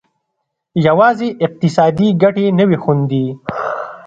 یوازې اقتصادي ګټې نه وې خوندي.